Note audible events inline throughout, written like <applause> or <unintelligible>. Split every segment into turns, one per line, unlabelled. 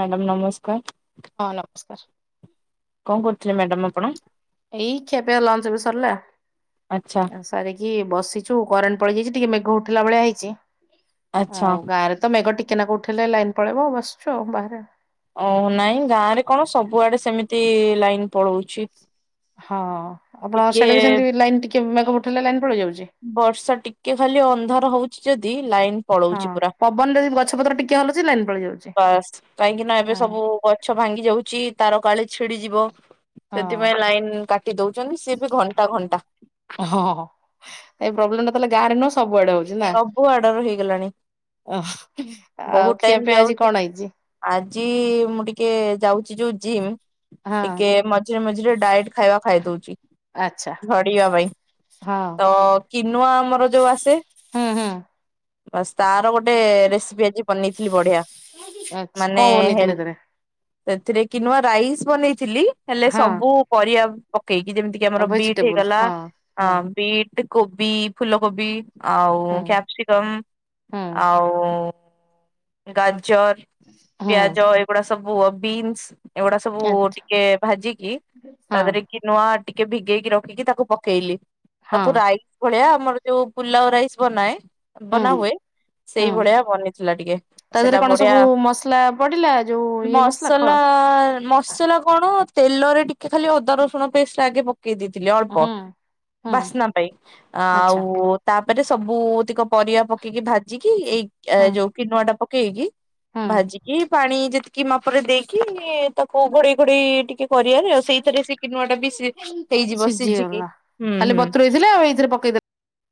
Madam ନମସ୍କାର
ହଁ ନମସ୍କାର।
କଣ କରୁଥିଲେ ମ୍ୟାଡ଼ାମ ଆପଣ।
ଏଇ ଖିଆପିଆ ଲଞ୍ଚ ବି ସରିଲା।
ଆଚ୍ଛା
ସାରିକି ବସିଛୁ କରେଣ୍ଟ ପଡି ଯାଇଛି ଟିକେ ମେଘ ଉଠିଲା ଭଳିଆ ହେଇଛି
ଆଚ୍ଛା
ଆଉ ଗାଁରେ। ତ ମେଘ ଟିକେନାକୁ ଉଠେଇଲେ ଲାଇନ ପଳେଇବ ଆ ବସିଛୁ ଆ ବାହାରେ।
ଓ ନାଇଁ ଗାଁ ରେ କଣ ସବୁଆଡେ ସେମିତି ଲାଇନ ପଳଉଛି।
ହଁ ଆପଣ
ଟିକେ
ସେଇଟା ବି ସେମିତି ଲାଇନ୍ ଟିକେ ମେଘ ଉଠାଇଲେ ଲାଇନ୍ ପଳେଇ ଯାଉଛି।
ବର୍ଷା ଟିକେ ଖାଲି ଅନ୍ଧାର ହଉଛି ଯଦି ଲାଇନ
ହଁ
ପଳଉଛି ପୁରା
ପବନରେ ଯଦି ଗଛ ପତ୍ର ଟିକେ ହଲୁଛି ଲାଇନ ପଳେଇ ଯାଉଛି।
ବାସ୍ କାହିଁକି ନା ଏବେ
ହଁ
ସବୁ ଗଛ ଭାଙ୍ଗି ଯାଉଛି ତାର କାଳେ ଛିଡିଯିବ
ହଁ
ସେଥିପାଇଁ ଲାଇନ କାଟି ଦଉଛନ୍ତି ସିଏ ବି ଘଣ୍ଟା ଘଣ୍ଟା।
ହଁ ହଁ ଏ ପ୍ରୋବ୍ଲେମ ଟା ତାହଲେ ଗାଁରେ ନୁହଁ ସବୁଆଡେ ହଉଛି। ଜେଜେମା
ସବୁ ଆଡର ହେଇଗଲାଣି
ଓ ଆଉ
ବହୁତ ଟାଇମ
ଖିଆପିଆ ଆଜି
ଯାଉଛି
କଣ ହେଇଛି।
ଆଜି ମୁଁ ଟିକେ ଯାଉଛି ଯୋଉ ଜିମ୍
ହଁ
ଟିକେ ମଝିରେ ମଝିରେ ଡାଏଟ ଖାଇବା ଖାଇ ଦଉଛି
ଆଚ୍ଛା
ଝଡିବା ପାଇଁ
ହଁ
ତ। କିନୁଆ ଆମର ଯୋଉ ଆସେ।
ହଁ ହଁ।
ବାସ୍ ତାର ଗୋଟେ ରେସିପି ଆଜି ବନେଇଥିଲି ବଢିଆ।
ଆଚ୍ଛା
ମାନେ
କଣ ବନେଇଥିଲେ ଏଥିରେ?
ସେଥିରେ କି ନୂଆ ରାଇସ ବନେଇଥିଲି। ହେଲେ
ହଁ
ସବୁ ପରିବା ପକେଇକି ଯେମିତି କି ଆମର ବିଟ୍
ଭେଜିଟେବୁଲ
ହେଇଗଲା
ହଁ ହଁ।
ବିଟ୍। କୋବି ଫୁଲକୋବି ଆଉ
ହୁଁ
କ୍ୟାପ୍ସିକମ୍
ହୁଁ
ଆଉ ଗାଜର ପିଆଜ
ହୁଁ
ଏଗୁଡା ସବୁ ବିନ୍ସ। ଏଗୁଡା ସବୁ
ଆଛା
ଟିକେ ଭାଜିକି ତା
ହଁ
ଦେହରେ କି ନୂଆ ଟିକେ ଭିଜେଇକି ରଖିକି ତାକୁ ପକେଇଲି
ହଁ
ତାକୁ ରାଇ ଭଳିଆ ଆମର ଯୋଉ ପୁଲା ଓ ରାଇସ ବନାଏ
ହୁଁ
ବନାହୁୁଏ ସେଇ
ହୁଁ
ଭଳିଆ ବନେଇଥିଲା ଟିକେ।
ତା ଦେହରେ
ସେଇଟା
କଣ
ବଢିଆ
ସବୁ ମସଲା ପଡିଲା ଯୋଉ ଇଏ ମସଲା କଣ।
ମସଲା କଣ ତେଲରେ ଟିକେ ଖାଲି ଅଦା ରସୁଣ ପେଷ୍ଟ ଆଗ ପକା ପକେଇ ଦେଇଥିଲି ଅଳ୍ପ
ହୁଁ ହୁଁ
ବାସ୍ନା ପାଇଁ
ଆଚ୍ଛା
ଆଉ ତାପରେ ସବୁତିକ ପରିବା ପକେଇକି ଭାଜିକି ଏଇ
ହୁଁ
ଯୋଉ କି ନୂଆ ଟା ପକେଇକି
ହୁଁ
ଭାଜିକି ପାଣି ଯେତିକି ମାପରେ ଦେଇକି ତାକୁ କୋଉ ଘୋଡେଇ ଘୋଡେଇ ଟିକେ କରିବାରେ ଆଉ ସେଇଥିରେ ସେ କି ନୂଆ ଟା ବି ହେଇଯିବ ସିଝିକି
ସିଝିଗଲା
ହୁଁ
ଖାଲି
ହୁଁ
ବତୁରେଇ ଦେଲେ ଏଇଥିରେ ପକେଇଦଲେ।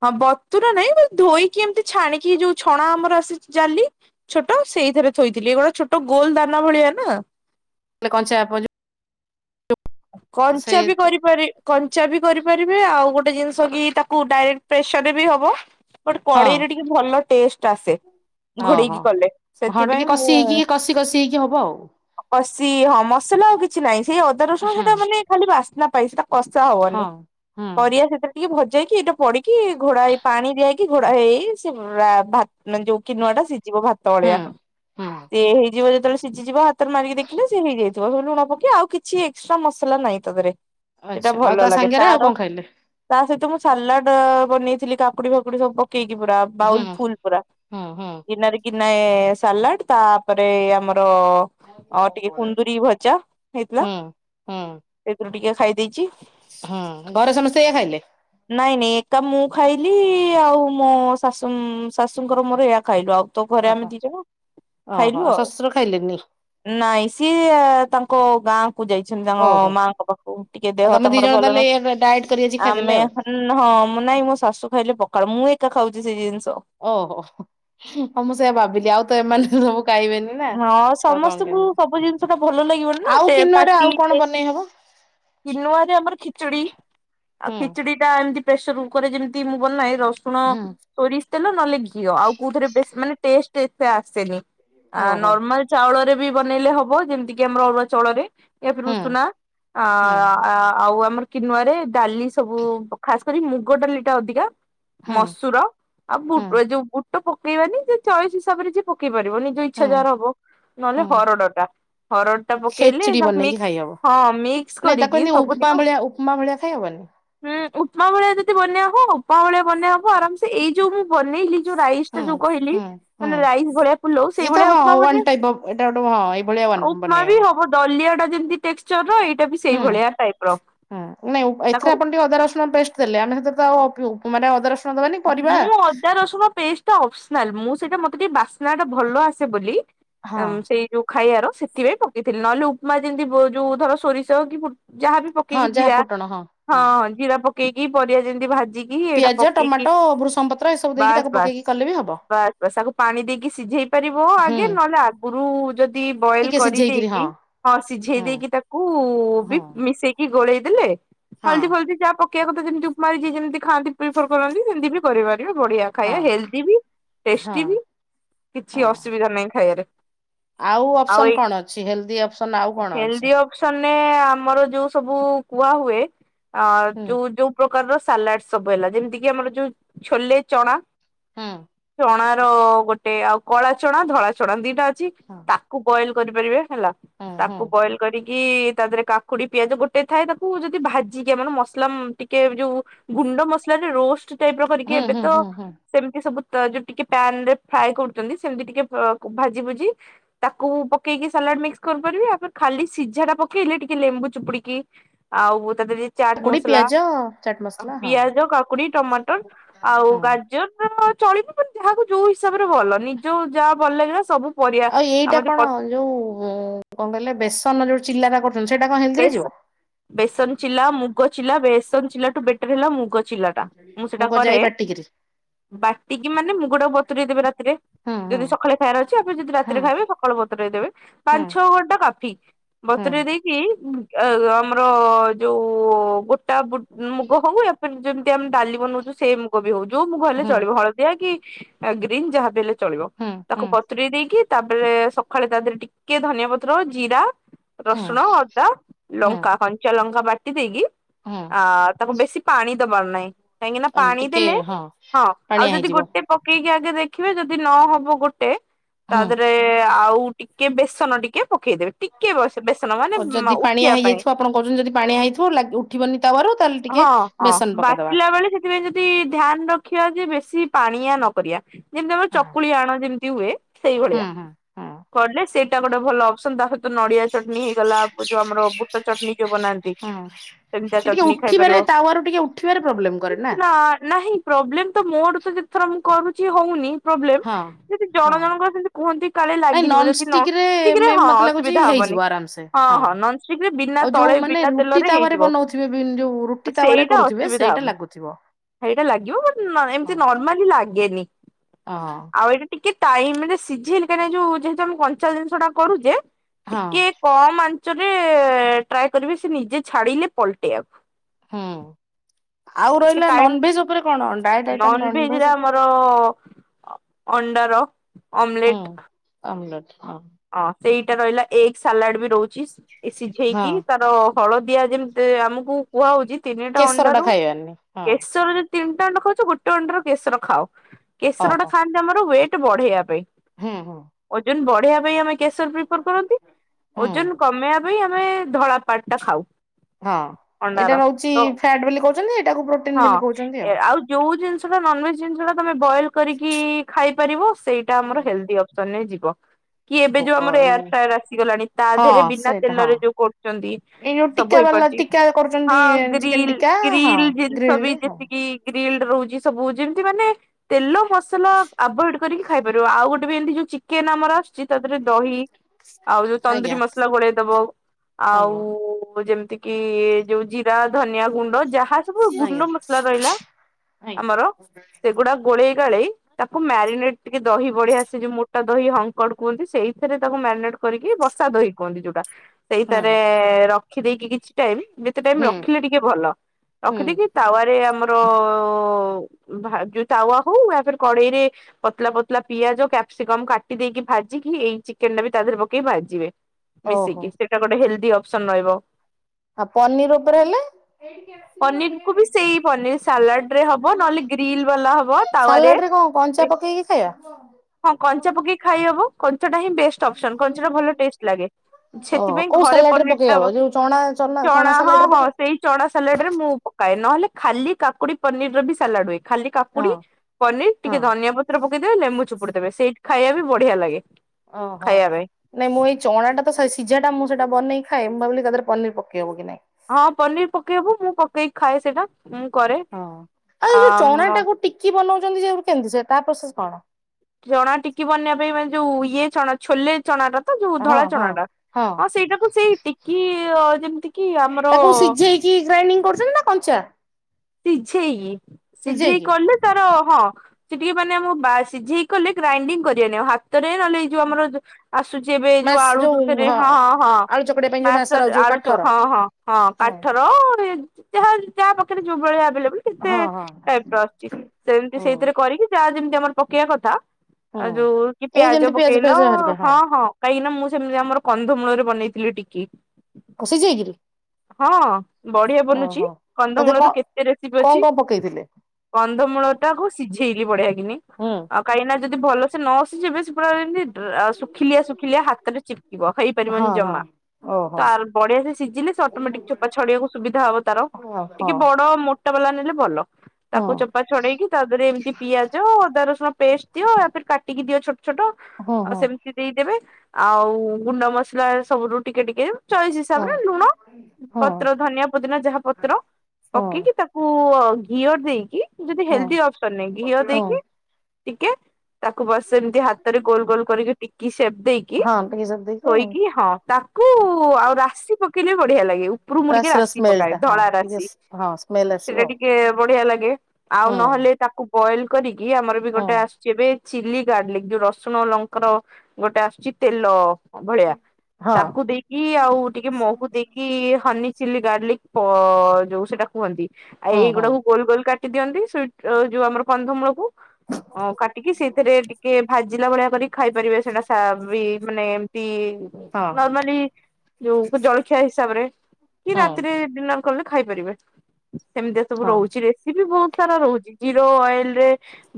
ହଁ ବତୁର ନାଇଁ ଧୋଇକି ଏମତି ଛାଣିକି ଯୋଉ ଛଣା ଆମର ଆସିଛି ଜାଲି। ଛୋଟ ସେଇଥିରେ ଥୋଇଥିଲ ଏ ଗୋଟେ ଛୋଟ ଗୋଲ ଦାନା ଭଳିଆ ନା।
ହେଲେ କଞ୍ଚା ଆପୁ
କଞ୍ଚା
ସେଇ
ବି କରିପାରିବ। କଞ୍ଚା ବି କରିପାରିବି ଆଉ ଗୋଟେ ଜିନିଷ କି ତାକୁ ଡାଇରେକ୍ଟ ପ୍ରେସରରେ ବି ହବ। ଗୋଟେ
ହଁ
କଡେଇରେ ଟିକେ ଭଲ ଟେଷ୍ଟ ଆସେ।
ହଉ
ଘୋଡେଇକି
ହଉ
କଲେ
ହଁ ଟିକେ
ସେଥିପାଇଁ
କଷି
ମୁଁ।
ହେଇକି କଷି କଷି ହେଇକି ହବ ଆଉ
ଅଶି ହଁ ମସଲା ଆଉ କିଛି ନାହିଁ ସେଇ ଅଦା ରସୁଣ
ହଁ
ସେଇଟା ମାନେ। ନାଇଁ ଖାଲି ବାସ୍ନା ପାଇ ସେଇଟା କଷା ହବନି
ହଁ ହୁଁ
ପରିବା ସେଥିରେ। ଟିକେ ଭଜେଇକି ଏଇଟା ପଡିକି ଘୋଡା ହେଇ ପାଣି ଦିଆଇକି ଘୋଡା ହେଇ ସେ ଭାନେ ଯୋଉ କି ନୁଆଟା। ଯିବ ଭାତ
ହୁଁ
ଭଳିଆ
ହୁଁ
ସିଏ ହେଇଯିବ ଯେତେବେଳେ ସିଝିଯିବ ହାତରେ ମାରିକି ଦେଖିଲେ ସିଏ ହେଇଯାଇଥିବ। ଲୁଣ ପକେଇ ଆଉ କିଛି ଏକ୍ସଟ୍ରା ମସଲା ନାହିଁ ପାଖରେ। ସେଟା
ଆଚ୍ଛା ଆଉ
ଭଲ
ତା
ଲାଗେ
ସାଙ୍ଗରେ ଆଉ
ତାର।
କଣ ଖାଇଲେ
ତା ସହିତ ମୁଁ ସାଲାଡ ବନେଇଥିଲି କାକୁଡି ଫାକୁଡି ସବୁ ପକେଇକି ପୁରା।
ହୁଁ
ବାଉଲ ଫୁଲ ପୁରା
ହୁଁ ହୁଁ
ଦିନରେ କିନା ସାଲାଡ ତାପରେ ଆମର ଟିକେ କୁନ୍ଦୁରି ଭଜା ହେଇଥିଲା।
ହୁଁ ହୁଁ।
ସେଥିରୁ ଟିକେ ଖାଇ ଦେଇଛି।
ହୁଁ ଘରେ ସମସ୍ତେ ସେୟା ଖାଇଲେ।
ନାଇଁ ନାଇଁ ଏକା ମୁଁ ଖାଇଲି ଆଉ ମୋ ଶାଶ ଶାଶୁଙ୍କର ମୋର ଏ ଖାଇଲୁ ଆଉ। ତୋ ଘରେ
ଓହୋ
ଆମେ ଦିଯଜଣ
ଓହୋ
ଖାଇଲୁ ଆଉ
ଶ୍ୱଶୁର ଖାଇଲେନି
ନାଇଁ ସିଏ ତାଙ୍କ ଗାଁ। କୁ ଯାଇଛନ୍ତି ତାଙ୍କ
ଓହୋ
ମାଙ୍କ ପାଖକୁ ଟିକେ
ଆଉ
ଦେହ
ତମେ ଦି
ତାଙ୍କର
ଜଣ
ଭଲ
ତାହେଲେ
ନ
ଏ ଡାଏଟ୍ କରି ଆଜି ଖାଇଦେଲେ
ଆମେ।
ଆଉ।
ଉ ହଁ ନାଇଁ ମୋ ଶାଶୁ ଖାଇଲେ ପକାଳ ମୁଁ ଏକା ଖାଉଛି ସେଇ ଜିନିଷ।
ଓହୋ ହଁ ମୁଁ ସେଇଆ ଭାବିଲି ଆଉ ତ ଏମାନେ ସବୁ ଖାଇବେନି। ନା।
ହଁ
ତ କଣ
ସମସ୍ତଙ୍କୁ
କେମିତି
ସବୁ ଜିନିଷ ଟା ଭଲ ଲାଗିବନି
ଆଉ
ନା
କିିନୁଆରେ
ପାଟି।
ଆଉ କଣ ବନେଇ ହବ
କିନୁଆ ଯେ ଆମର ଖିଚଡି ଆ
ହୁଁ
ଖିଚଡିଟା ଏମତି। ପ୍ରେସର କୁକରରେ ଯେମିତି ମୁଁ ବନାଏ ରସୁଣ
ହୁଁ
ତେ ତେଲ ନହେଲେ ଘିଅ ଆଉ କୋଉଥିରେ ବେଶ୍ ମାନେ ଟେଷ୍ଟ ଏତେ ଆସେନି। ଆ
ଓହୋ
ନର୍ମାଲ ଚାଉଳରେ ବି ବନେଇଲେ ହବ ଯେମିତିକ ଆମର ଅରୁଆ ଚାଉଳରେ। ଏ
ହୁଁ
ଉସୁୁନା ଅ
ହୁଁ
ଆଉ ଆମର କିନୁଆରେ ଡାଲି ସବୁ ଖାସ ମୁଗ ଡାଲି ଟା ଅଧିକା
ହୁଁ
ମସୁର। ଆଉ
ହୁଁ
ବ ଯୋଉ ବୁଟ ପକେଇବାନି ସେ ଚଏସ୍ ହିସାବରେ ଯଏ ପକେଇ ପାରିବନି ଯୋଉ। ଇଚ୍ଛା
ହୁଁ
ଯାହାର ହବ
ହୁଁ
ନହେଲେ ହରଡ ଟା। ହରଡ଼ଟା ପକେଇଲେ
ଖେଚଡି ବନେଇକି
ମିକ୍ସ
ଖାଇହବ।
ହଁ ମିକ୍ସ
ନାଇଁ ତାକୁ
କରିକି
ଏମିତି ଉପମା
ସବୁତିକ।
ଭଳିଆ ଉପମା ଭଳିଆ ଖାଇହବନି
ହୁଁ ଉପମା ଭଳିଆ ଯଦି ବନେଇଆ ହବ ଉପମା ଭଳିଆ ବନେଇ ହବ ଆରାମସେ ଏଇ ଯୋଉ ମୁଁ ବନେଇଲି। ଯୋଉ ରାଇସଟା
ହୁଁ
ଯୋଉ କହିଲି ମାନେ ରାଇସ ଭଳିଆ ଫୁଲଉ।
ଏଇଏ ତ ହଁ ୱାନ୍ ଟାଇପ ଏଟା ଗୋଟେ ହଁ ଏଇ ଭଳିଆ ୱାନ୍
ଉପମା ବି
ବନେଇବ।
ହବ ଦଲିଆ ଟା ଯେମତି ଟେକ୍ସଚର ର ଏଇଟା ବି
ହୁଁ।
ସେଇଭଳିଆ ଟାଇପ ର ତାକୁ।
ଅଦରସୁନ ପେଷ୍ଟ। ଥିଲା ଆମେ ସେଥିରେ ଆଉ ଉପମାରେ ମାନେ ଅଦା ରସୁଣ ପେଷ୍ଟ
ହୁଁ ଅଦା ରସୁଣ ପେଷ୍ଟ। ଅପସନାଲ ମୁଁ ସେଇଟା ମତେ ଟିକେ ବାସ୍ନା ଟା ଭଲ ଆସେ ବୋଲି
ହଁ
ସେଇ। ଯୋଉ ଖାଇବାର ସେଥିପାଇଁ ପକେଇଥିଲି ନହେଲେ ଉପମା ଯେମିତି ଯୋଉ ଧର ସୋରିଷ କି ଯାହା ବି
ହଁ
ପକେଇକି
ଯାହା
ଜିରା
ଫୁଟଣ
ହଁ
ହୁଁ
ଜିରା ପକେଇକି ପରିବା ଯେମିତି ଭାଜିକି ଏଇଟା ପକେଇକି।
ଓ ଭୃସଙ୍ଗ ପତ୍ର ଏସବୁ ଦେଇକି
ବାସ୍
ତାକୁ
ବାସ୍
ପକେଇକି କଲେ ବି ହବ
ବାସ୍ ବାସ୍ ଆକୁ ପାଣି ଦେଇକି ସିଝେଇ ପାରିବ
ହୁଁ
ଆଗେ ନହେଲେ ଆ ଗରୁ ଯଦି ବଏଲ
ଟିକେ ସିଝେଇକିରି
କରିଦେଇକି
ହଁ
ହଁ ସିଝେଇ
ହୁଁ
ଦେଇକି ତାକୁ
ହୁଁ
ମିଶେଇ। କି ଗୋଳେଇ ଦେଲେ
ହଁ
ହଳଦୀ ହଳଦ ଯାହା ପକେଇବା କଥା ଯେମିତିମାରି ଯେମତି ଖାଆନ୍ତି ପ୍ରିଫର କରନ୍ତି। ଏମିତି ବି କରିପାରିବେ ବଢିଆ
ହଁ
ଖାଇବା ହେଲ୍ଦି ବି
ହଁ
ଟେଷ୍ଟି ବି। କିଛି
ହଁ
ଅସୁବିଧା ନାହିଁ ଖାଇବାରେ।
ଆଉ ଅପସନ କଣ ଅଛି ହେଲ୍ଦି ଅପସନ୍ ଆଉ କଣ
ହେଲ୍ଦି
ଅଛି?
ଆମର ଯୋଉ ସବୁ କୁହା ହୁଏ
ହୁଁ
ଯୋଉ ଯୋଉ ପ୍ରକାରର ସାଲାଡ ସବୁ ହେଲା ଯେମିତି କି ଆମର ଯୋଉ ଛୋଲେ ଚଣା।
ହଁ।
ଚଣା ର ଗୋଟେ ଆଉ କଳା ଚଣା ଧଳା ଚଣା ଦିଟା ଅ ଚି
ହଁ
ତାକୁ ବଏଲ୍ କରିପାରିବେ ହେଲା
ହୁଁ
ତାକୁ ବଏଲ୍ କରି କି ତା ଦେହେରେ କାକୁଡି ପିଆଜ ଗୋଟେ ଥାଏ ତାକୁ ଯଦି ଭାଜିକି ଆମନ ମସଲା ଉମ ଟିକେ ଯୋଉ ଗୁଣ୍ଡ ମସଲାରେ ରୋଷ୍ଟ ଟାଇପ୍ ର କରିକି
ହୁଁ ହୁଁ
ଏବେ
ହୁଁ
ତ
ହୁଁ ହୁଁ
ସେମିତି ସବୁ ତ ଯୋଉ ଟିକେ ପ୍ୟାନ୍ ରେ ଫ୍ରାଏ କରୁଚନ୍ତି ସେମିତି ଟିକେ ଉବ କୁ ଭାଜି ଭୁଜି ତାକୁ ପକେଇକି ସାଲାଡ ମିକ୍ସ କରି ପାରିବେ ଆପରେ ଖାଲି ସିଝା ଟା ପକେଇଲେ ଟିକେ ଲେମ୍ବୁ ଚୁପୁଡିକି ଆଉ ତା ଦିଏରେ ଚାଟ୍
କାକୁଡି
ମସଲା
ପିଆଜ ଚାଟ ମସଲା ହଁ
ପିଆଜ କାକୁଡି ଟମା ଟର ଆଉ
ହଁ
ଗା ଜର ଟା ନହେଲେ ଚଳିବ ବଟ ଯାହାକୁ ଯୋଉ ହିସାବରେ ଭଲ ନିଜକୁ ଯାହା ଭଲ ଲାଗିଲା ସବୁ ପରିବା
ଆଉ ଏଇଟା
ଆମର
କଣ ଯୋଉ ଉଁ କଁ କଇଲେ ବେସନ ଯୋଉ ଚିଲାଟା କରୁଚନ୍ତି ସେଇଟା କଣ ହେଲ୍ଦିରେ
ବେସ
ଯିବ?
ବେସନ ଚିଲା ମୁଗ ଚିଲା ବେସନ ଚିଲା ଟୁ ବେଟର ହେଲା ମୁଗ ଚିଲା। ଟା ମୁଁ ସେଟା
ମୁଗ
କରେ।
ଯାଇ ବାଟିକିରି
ବାଟିକି ମାନେ ମୁଗଟାକୁ ବତୁରେଇଦେବେ ରା ତିରେ
ହୁଁ ହୁଁ
ଯଦି ସକାଳେ ଖାଇଆର ଅଛି ଆପଣ ଯଦି
ହୁଁ
ରାତିରେ ଖାଇବେ ସକାଳୁ ବତୁରେଇ ଦେବେ। ପାଁ
ହୁଁ
ଛଅ ଘଣ୍ଟା କାଫି
ହୁଁ
ବତୁରେଇ ଦେଇ କି ଅ ଆମର ଯୋଉ ଗୋଟା ବୁ ମୁଗ ହଉ ଏ ଯେମିତି ଆମେ ଡାଲି ବନଉଛୁ ସେଇ ମୁଗ। ମୁଗ ବି ହଉ ଯୋଉ ମୁଗ ହେଲେ
ହୁଁ
ଚଳିବ ହଳଦିଆ କି ଅ ଗ୍ରୀନ୍ ଯାହା ବି ହେଲେ ଚଳିବ
ହୁଁ
ତାକୁ
ହୁଁ
ବତୁରେଇ ଦେଇକି ତା ପରେ ସଖାଳେ ତା ଦିହେରେ ଟିକେ ଧନିଆ ପତ୍ର ଜିରା
ହୁଁ
ରଶୁଣ ଅଦା
ହୁଁ
ଲଙ୍କା କଞ୍ଚା ଲଙ୍କା ବାଟି ଦେଇକି
ହୁଁ।
ହଁ ତାକୁ ବେଶୀ ପାଣି ଦବାର ନାଇଁ। କାହିଁକି ନା
ଅନ
ପାଣି
ଟିକେ
ଦେଲେ, ହଁ ଆଉ
ପାଣିଆ
ଯଦି
ହେଇଯିବ
ଗୋଟେ ପକେଇକି ଆଗେ ଦେଖିବେ ଯଦି ନହବ ଗୋଟେ, ତା
ହୁଁ
ଦେହେରେ ଆଉ ଟିକିଏ ବେସନ ଟିକେ ପକେଇଦେବେ। ଟିକିଏ ଅ ବେସ
ଅ ଯଦି ପାଣିଆ ହେଇଯାଇଥିବ ଆପଣ କହୁଚନ୍ତି ଯଦି ପାଣିଆ ହେଇଥିବ ଲାଗିବ ଉଠିବନି ତାୱା ରୁ ତାହେଲେ ଟି
ହଁ ହଁ ବାଟିଲା ବେଳେ ସେଥିପାଇଁ ଯଦି ଧ୍ୟାନ୍ ରଖିବା ଯେ ବେଶୀ ପାଣିଆ ନ କରିଆ। ଯେମିତି ଆମର
ହଁ
ଚକୁଳି ଆଣ ଯେମତି ହୁଏ
ହୁଁ
ସେଇଭଳିଆ।
ହୁଁ ହୁଁ
କଲେ ସେଇଟା ଗୋଟେ ଭଲ ଅପସନ୍ ତା ସଇ ତ ନଡିଆ ଚଟନି ହେଇଗଲା ଉ ବୁ ଯୋଉ ଆମର ବୁଟ ଚଟନି ଯୋଉ ବନାନ୍ତି।
ହୁଁ
ସେମିତିଆ
ସେ ଟିକେ
ଚଟଣି ଖାଇପାରିବ
ଉଠିବାରେ ତାୱାରୁ ଟିକେ ଉଠିବାରେ ପ୍ରବ୍ଲେମ୍ କରେ ନା।
ନା ନାହିଁ ପ୍ରୋବ୍ଲେମ ତ ମୋଆଡୁ ତ ଯେତେଥର ମୁଁ କରୁଛି ହଉନି। ପ୍ରୋବ୍ଲେମ୍
ହଁ
ଯଦି
ହଁ
ଜଣ ଜଣଙ୍କର ସେମିତି କୁହନ୍ତି କାଳେ
ନାଇଁ
ଲାଗିଯିବ ଯଦି
ନନଷ୍ଟିକ
ନନ୍ଷ୍ଟିକ ରେ
ମେ
ହଁ
ମତେ ଲାଗୁଛି
ଅସୁବିଧା
ହେଇଯିବ
ହବନି।
ଆରାମସେ
ହଁ ହଁ ନନଷ୍ଟିକ ରେ ବିନା
ଆଉ ଯୋଉ
ତଳେ
ମାନେ
ବିନା
ରୁଟି
ତେଲରେ
ତାୱାରେ
ହେଇଯିବ।
ବନଉଥିବେ ବି
ସେଇଟା ଅସୁବିଧା ହବ।
ଥିବ।
ସେଇଟା ଲାଗିବ ବଟ୍ ନ ଏମିତି ନର୍ମାଲି ଲାଗେନି।
ଅଁ।
ଆଉ ଏଇଟା ଟିକେ ଟାଇମ୍ ରେ ସିଝେଇଲେ କାଇଁନା ଏଇ ଯୋଉ ଯେହେତୁ ଆମେ କଞ୍ଚା ଜିନିଷ ଟା କରୁଚେ।
ହଁ।
କମ୍ ଆଞ୍ଚରେ ଏ ଟ୍ରାଏ କରିବେ ସେ ନିଜେ ଛାଡିଲେ ପଲଟେଇଆକୁ।
ହୁଁ। ଆଉ
ଟିକେ
ରଇଲା
ଟାଇମ
ନନ୍ ଭେଜ୍ ଓପେରେ କଣ ଡାଏଟ୍ ଆଇଟମ୍ ନନ୍ ଭେଜ୍ ଓପେରେ?
ଓ ଅଣ୍ଡାର
ହୁଁ ଆମଲେଟ ହଁ।
ଅଁ ସେଇଟା ରଇଲା ଏଗ୍ ସାଲାଡ ବି ରଉଚି। ଏ ସିଝେଇକି
ହଁ
ତାର ହଳଦିଆ ଯେମିତି ଆମୁକୁ କୁହାହଉଛି ତିନିଟା
କେଶର ଟା
ଅଣ୍ଡାରୁ
ଖାଇବାନି ହଁ
କେଶରରେ ତିନଟା ଅଣ୍ଡା ଖାଉଛ ଗୋଟେ ଅଣ୍ଡ ର କେଶର ଖାଅ କେଶର ଟା
ଓହୋ
ଖାଆନ୍ତି ଆମର ୱେଟ୍ ବଢେଇଆ ପାଇଁ।
ହୁଁ ହୁଁ।
ଓଜନ ବଢ଼େଇବା ପାଇଁ ଆମେ କେଶର ପ୍ରିଫର କରନ୍ତି।
ହୁଁ
ଓଜନ କମେଇବା ପାଇଁ ଆମେ ଧଳା ପାଟ୍ ଟା ଖାଉ।
ହଁ
ଅଣ୍ଡାର
ଏଟା ରହୁଛି
ତ
ଫ୍ୟାଟ୍ ବେଲି କହୁଚନ୍ତି, ଏଟାକୁ ପ୍ରୋଟିନ୍
ହଁ।
ବେଲି କହୁଚନ୍ତି ଆଉ।
ଯୋଉ ଜିନିଷ ଟା ନନଭେଜ ଜିନିଷ ଟା ତମେ ବଏଲ୍ କରିକି ଖାଇ ପାରିବ ସେଇଟା ଆମର ହେଲ୍ଦି ହ ସ ନେଇ ଯିବ। ଇଏ ଏବେ ଯୋଉ ଆମର ଏୟାର ଫ୍ରାୟାର ଆସିଗଲାଣି ତା ଦେହରେ
ହଁ
ବିନା
ସେଇଟା ହଁ।
ତେଲରେ ଯୋଉ କରୁଛନ୍ତି।
ଏଇ ଯୋଉ
ସବୁ
ଟୀକା ବାଲା
ହେଇପାରୁଛି
ଟୀକା କରୁଛନ୍ତି
ହଁ
ଚିକେନ
ଗ୍ରୀଲ୍
ଟୀକା ହଁ
ଗ୍ରୀଲ୍ ଜିନିଷ
ଗ୍ରିଲ୍ଡ
ବି
ହଁ।
ଯେତିକି ଗ୍ରିଲ ରହୁଛି ସବୁ ଯେମିତି ମାନେ ତେଲ ମସଲା ଆଭଏଡ କରିକି ଖାଇ ପାରିବ ଆଉ ଗୋଟେ ବି ଏମିତି ଯୋଉ ଚିକେନ ଆମର ଚି ତା ଦେହରେ ଦହି ଆଉ ଯୋଉ ତନ୍ଦୁୁରୀ
ଆଜ୍ଞା
ମସଲା ଗୋଳେଇ ଦବ
ଆଜ୍ଞା
ଆଉ ଯେମିତି କି ଯୋଉ ଜିରା ଧନିଆ ଗୁଣ୍ଡ ଯାହା ସବୁ
ଆଜ୍ଞା।
ଗୁଣ୍ଡ ମସଲା ରହିଲା ଆମର
ଆଜ୍ଞା
ସେ ଗୁଡା ଗୋଳେଇ ଗାଳେଇ ତାକୁ ମ୍ୟାରିନେଟ ଟିକେ ଦହି ବଢିଆ ସେ ଯୋଉ ମୋଟା ଦହି ହ କଟ୍ କୁହନ୍ତି ସେଇଥିରେ ତାକୁ ମ୍ୟାରିନେଟ କରିକି ବସାଦହି କୁହନ୍ତି ଯୋଉଟା ସେଇଟାରେ
ହଁ
ଏ ର ରଖିଦେଇକି କିଛି ଟାଇମ ଯେତେ ଟାଇମ
ହୁଁ
ରଖିଲେ ଟିକେ ଭଲ
ହୁଁ
ରଖିଦେଇକି ତାୱରେ ଆମର ଆ <unintelligible> ଉ ଭାଯୁ ତାୱା ହଉ ଏ ଫିର୍ କଡେଇରେ ପତଲା ପତଲା ପିଆଜ କ୍ୟାପସିକମ୍ କାଟି ଦେଇକି ଭାଜିକି ଏଇ ଚିକେନ ଟା ବି ତା ଦେହରେ ପକେଇକି ଭାଜିବେ
ଓହୋ।
ମିଶିକି ସେଇଟା ଗୋଟେ ହେଲ୍ଦି ଅପସନ ରହିବ।
ଆଉ ପନିର ଉପରେ ହେଲେ
ପନିର କୁ ବି ସେଇ ପନିର ସାଲାଡ ରେ ହବ ନହେଲେ ଗ୍ରୀନ୍ ବାଲା ହବ ତାୱରେ
ସାଲାଡ ରେ କଣ କଞ୍ଚା ପକେଇକି ଖାଇବା।
ହଁ କଞ୍ଚା ପକେଇି ଖାଇହବ କଞ୍ଚାଟା ହିଁ ବେଷ୍ଟ। <unintelligible> ଭଲ ଟେଷ୍ଟ ଲାଗେ।
ଓହୋ
ସେଥିପାଇ
କୋଉ
ଘରେ
ସାଲାଡ ରେ
ପନିର୍
ପକେଇ
ଟା
ହବ ଯୋଉ ଚଣା ଚନା
ଚଣା ହଁ
ସାଲାଡ ରେ
ହଁ।
ପକେଇ
ସେଇ ଚଣା ସାଲେଡ ରେ ମୁଁ କାଏ ନହେଲେ ଖାଲି କାକୁଡି ପନିର ର ବି ସାଲାଡ ହୁଏ ଖାଲି କାକୁଡି
ହଁ
ପନିର ଟିକେ
ହଁ
ଧନିଆପ ର ପକେଇେବେ ଲେମ୍ବୁ ଚୁପୁଡ଼ିଦବେ ସେଇି ଖାଇବା ବି ବଢିଆ ଲାଗେ।
ଅହୋ।
ଖାଇବା ପାଇଁ।
ନାଇଁ ମୁଁ ଏଇ ଚଣାଟା ତ ସିଝା ଟା ମୁଁ ସେଟା ବନେଇି ଖଏ ମୁଁ ଭାବି ତାରେ ପନି ପକେଇହବ କି ନାଇଁ?
ହଁ ପନିର ପକେଇ ହବ୍ ମୁଁ ପକେଇକି ଖାଏ ସେଇଟା ମୁଁ କରେ ଆ ମ
କି ବନଉଛନ୍ତି ଯେ କେମତି ସେ ତା ପ୍ରୋସେସ କଣ?
ଚଣା ଟିକି ବନେଇିବା ପାଇଁ ମାନେ ଯୋଉ ଇଏ ଚଣା ଛୋଲେ ଚଣା ର ହଁ ଯୋଉ ଧଳାଚଣା ଟା ହଁ ସେଇଟାକୁ ସେଇ ଟିକି ଅ ଯେମିତି କିି ଆମର
ତାକୁ ସିଝେଇକି ଗ୍ରାଇଣ୍ଡି କରୁଛନ୍ତି ନା କଞ୍ଚା?
ସିଝେଇ କି ସିଝେଇ
ସିଝେଇକି
କଲେ ତାର ହଁ ସେଟିକେ ମାନେ ଆମ ବା ସିଝେଇ କଲେ ଗ୍ରାଇଣ୍ଡିଙ୍ଗ କରିବନି ଆଉ ହାତରେ ନହେଲେ ଏ ଯୋଉ ଆମର ଆସୁଛି ଏବେ ଯୋଉ ଆଳୁ ଜୋତରେ ହଁ ହଁ ହଁ।
ଆଳୁ ଚକଟିବା ପାଇଁ ଯୋଉ ମାସ
ଫାର୍ଷ୍ଟ
ରହୁଛି
ଆଳୁଚ
କାଠର।
ହଁ ହଁ ହଁ କାଠର ଭେ ଯହା ଯାହା ପାଖରେ ଯୋଉ ଭଳିଆ ଆଭେଲେବୁଲୁ କେତେ
ହଁ ହଁ
ସେମତି
ହୁଁ
ସେଇଥିରେ କରିକି ଯାହା ଯେମିତି ଆମର ପକେଇବା କଥା ଆଉ
ହୁଁ
ଯୋଉ କି
ଏଇ
ପିଆଜ
ଯେମିତି
ପକେଇଲ
ଫିଆଜ ହେରିକା
ହଁ ହଁ। କାହିଁକି ନା ମୁଁ ସେମିତି ଆମର କନ୍ଧମୂଳରେ ବନେଇଥିଲି ଟିକି।
କ ସିଜେଇକୀରୀ।
ହଁ ବଢିଆ ବନୁଛି
ତତେ
କଧମୂଳ ର
କଣ
କେତେ ରେସିପି
କଣ
ଅଛି?
କଣ ପକେଇଥିଲେ
କନ୍ଧମୂଳ ଟା କୁ ସିଝେଇଲି ବଢିଆ କିିନି
ହୁଁ
ଆଉ କାହିଁକିନା ଯଦି ଭଲ ସେ ନ ସୁଝେଇବେ ସେ ପୁରା ଜେମିତି ଡା ଶୁଖିଲିଆ ଶୁଖିଲିଆ ହାତରେ ଚିପିକିବ
ହଁ
ହେଇପାରିବନି
ହଁ
ଜମା।
ଓହୋ
ତା ଆର୍ ବଢିଆ ସେ ସିଝିଲେ ସେ ଅଟୋମେଟିକ ଚୋପା ଛଡେଇବାକୁ ସୁବିଧା ହବ ତାର।
ଓହୋ
ଟିକେ
ହଁ
ବଡ ମୋଟା ବାଲା ନେଲେ ଭଲ ତାକୁ ଚପା ଛଡେଇକି ତା ଦେହରେ ଏମିତି ପିଆଜ ଅଦା ରସୁଣ ପେଷ୍ଟ ଦିଅ ୟା ଫିରି କାଟିକି ଦିଅ ଛଟ ଛୋଟ
ହଁ
ଆଉ
ହଁ
ସେମିତି ଦେଇଦେବେ ଆଉ ଗୁଣ୍ଡ ମସଲା ସବୁ ରୁ ଟିକେ ଟିକେ ଚଏସ୍
ହଁ ହଁ
ହିସାବରେ ଲୁଣ
ହଁ
ପତ୍ର ଧନିଆ ପୁଦିନା ଯାହା ପତ୍ର
ହଁ
ପକେଇକି ତାକୁ ଘିଅ ଦେଇକି ଯଦି
ହଁ
ହେଲ୍ଦି ଅପସନ ନାଇ ଘିଅ
ହଁ
ଦେଇକି ଟିକେ ତାକୁ ବସ ଏମିତି ହାତରେ ଗୋଲ ଗୋଲ କରିକି ଟିକି ସେପ ଦେଇକି
ହଁ ଟିକେ ସବୁ ଦେଇକି ଆଉ
ଥୋଇକି ହଁ ତାକୁ ଆଉ ରାଶି ପକେଇଲେ ବି ବଢିଆ ଲାଗେ ଉପରୁ ମୁ ଟିକେ
ରାଶିର
ରାଶି
ସ୍ମେଲ
ପକାଏ
ଟା ହଁ
ଧଳା
ଟିକେ
ରାଶି
ହଁ ସ୍ମେଲ ଆସିବ
ସେଟା ଟିକେ ବଢିଆ ଲାଗେ ଆଉ ନହେଲେ ତାକୁ ବଏଲ କରିକି ଆମର ବି
ହୁଁ
ଗୋଟେ ଆ ଏବେ ଚିଲି ଗାର୍ଲିକ ଯୋଉ ରସୁଣ ଲଙ୍କାର ଗୋଟେ ଆସୁଛି ତେଲ। ହଁ ଭଳିଆ
ହଁ
ତାକୁ ଦେଇକି ଆଉ ଟିକେ ମହୁ ଦେଇ କି ହନି ଚିଲି ଗାର୍ଲିକ ପ ଯୋଉ ସେଟା କୁହନ୍ତି ଆଉ
ହଁ ହଁ
ଏଇଗୁଡାକୁ ଗୋଲ ଗୋଲ କା ଟି ଦିଅନ୍ତିଟ ଯୋଉ ଆମର କନ୍ଧମୂଳକୁ କାଟିକି ସେଇଥିରେ ଟିକେ କି ଭାଜିଲା ଭଳିଆ କରିକି ଖାଇ ପାରିବେ ସେଇଟା ବି ମାନେ ଏମତି
ହଁ
ନର୍ମାଲି ଯୋଉ ଜଳଖିଆ ହିସାବରେ କି
ହଁ
ରାତିରେ ଡିନର କଲେ ଖାଇପାରିବେ। ସେମିତି ସବୁ
ହଁ
ରହୁଛି ରେସିପି ବହୁତ ସାରା ରହୁଛି ଜିରୋ ଅଏଲ ରେ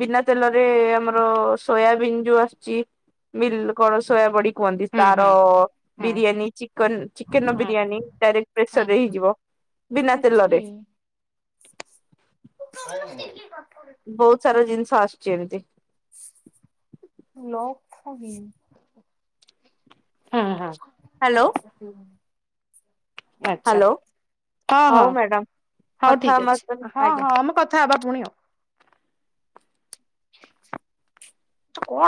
ବିନା ତେଲରେ ଆମର ସୋୟାବିନ୍ ଯୋଉ ଆସୁଛି। ମିଲ କଣ ସୋୟା ବଡି କୁହନ୍ତି।
ହୁଁ
ତାର
ହୁଁ ହୁଁ
ବିରିୟାନୀ ଚିକନ୍ ଚିକେନ
ହୁଁ
ବିରିୟାନୀ ଡାଇରେକ୍ଟ ପ୍ରେସରରେ
ହୁଁ
ହେଇଯିବ। ବିନା ତେଲରେ।
<inaudible>
ବହୁତ ସାରା ଜିନିଷ ଆସୁଛି ଏମିତି।
<unintelligible> ହୁଁ- ହୁଁ।
ହ୍ୟାଲୋ।
ଆଚ୍ଛା।
ହ୍ୟାଲୋ
ହଁ ହଁ
ହଉ ମ୍ୟାଡାମ
ହଉ
କଥା
ଠିକ
ଆମ
ଅଛି ହଁ
ଆଜ୍ଞା
ହଁ ଆମେ କଥା ହବା ପୁଣି ଆଉ। ତ କଣ